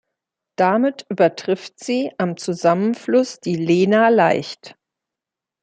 Damit übertrifft sie am Zusammenfluss die Lena leicht.